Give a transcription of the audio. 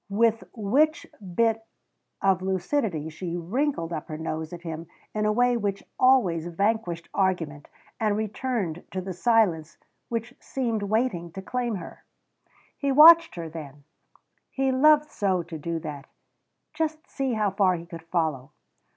with which bit of lucidity she wrinkled up her nose at him in a way which always vanquished argument and returned to the silence which seemed waiting to claim her. He watched her then; he loved so to do that just see how far he could follow.